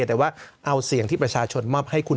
แต่ว่าเอาเสียงที่ประชาชนมอบให้คุณ